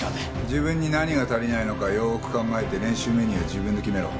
自分に何が足りないのかよーく考えて練習メニューは自分で決めろ。